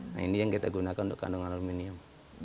nah ini yang kita gunakan untuk kandungan aluminium